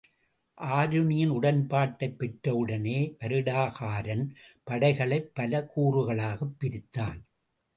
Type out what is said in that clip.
ஆருணியின் உடன்பாட்டைப் பெற்றவுடனே வருடகாரன் படைகளைப் பல கூறுகளாகப் பிரித்தான்.